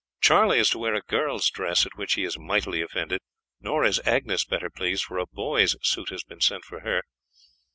Charlie is to wear a girl's dress, at which he is mightily offended; nor is Agnes better pleased, for a boy's suit has been sent for her.